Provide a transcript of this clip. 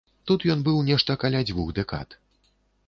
Тут ён быў нешта каля дзвюх дэкад.